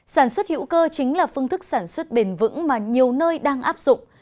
sản xuất hữu cơ chính là phương thức sản xuất bền vững mà nhiều nơi đang áp dụng